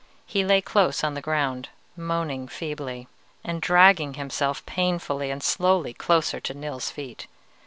He lay close on the ground, moaning feebly, and dragging himself painfully and slowly closer to Nils's feet.